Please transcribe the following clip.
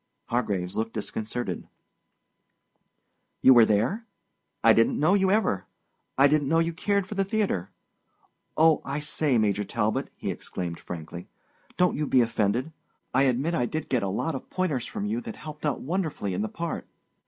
Hargraves looked disconcerted. "You were there? I didn't know you ever—I didn't know you cared for the theater. Oh, I say, Major Talbot," he exclaimed frankly, "don't you be offended. I admit I did get a lot of pointers from you that helped out wonderfully in the part.